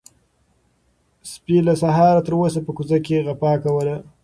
سپي له سهاره تر اوسه په کوڅه کې غپا کوله.